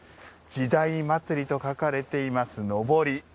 「時代祭」と書かれているのぼり。